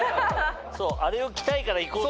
あれを着たいから行こう！